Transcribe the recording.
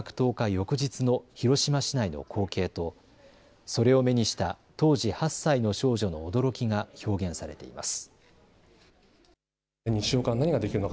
翌日の広島市内の光景とそれを目にした当時８歳の少女の驚きが表現されています。